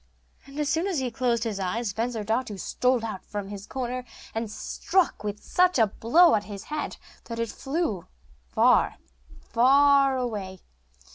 And as soon as he closed his eyes, Bensurdatu stole out from his corner, and struck such a blow at his head that it flew far, far away.